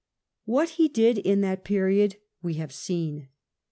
What he did in that period we have seen.